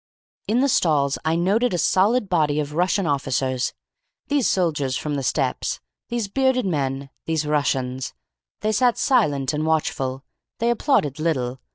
"In the stalls I noted a solid body of Russian officers. These soldiers from the Steppes. These bearded men. These Russians. They sat silent and watchful. They applauded little.